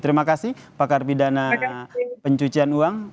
terima kasih pak karpidana pencucian uang